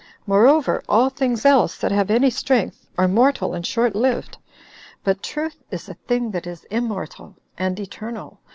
Moreover, all things else that have any strength are mortal and short lived, but truth is a thing that is immortal and eternal.